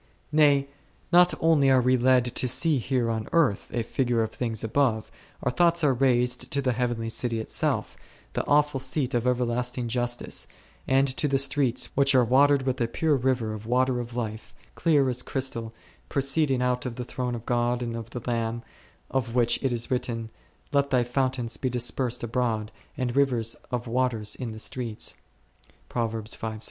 Nay, not only are we led to see here on earth a figure of things above, our thoughts are raised to the heavenly city itself, the awful seat of everlasting justice, and to the streets which are watered with a pure river of water of life, clear as crystal, proceeding out of the throne of God and of the Lamb, of which it is written, Let thy fountains be dispersed abroad, and rivers of waters in the streets d .